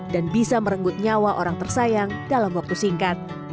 dan bisa merenggut nyawa orang tersayang dalam waktu singkat